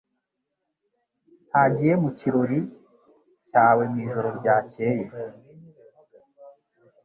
ntagiye mu kirori cyawe mwijoro ryakeye